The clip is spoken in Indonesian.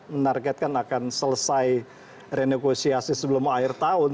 menargetkan akan selesai renegosiasi sebelum akhir tahun